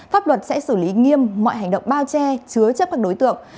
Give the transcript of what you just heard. pháp luật sẽ xử lý nghiêm mọi hành động bao che chứa chấp các đối tượng